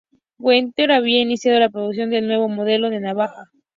Wenger, había iniciado la producción del nuevo modelo de navaja.